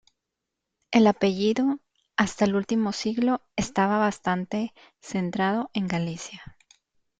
El apellido, hasta el último siglo estaba bastante centrado en Galicia.